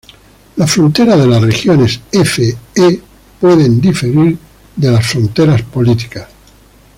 Las fronteras de las regiones F-E pueden diferir de las fronteras políticas.